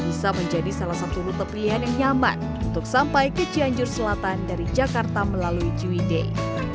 bisa menjadi salah satu rute pria yang nyaman untuk sampai ke cianjur selatan dari jakarta melalui jiwi day